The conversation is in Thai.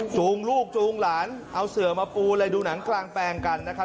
จูงลูกจูงหลานเอาเสือมาปูเลยดูหนังกลางแปลงกันนะครับ